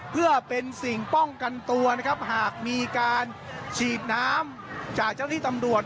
เพื่อเป็นสิ่งป้องกันตัวนะครับหากมีการฉีดน้ำจากเจ้าที่ตำรวจ